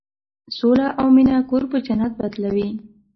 سوله او مینه کور په جنت بدلوي.